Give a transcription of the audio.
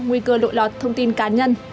nguy cơ lội lọt thông tin cá nhân